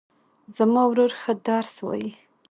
زما ورور ښه درس وایي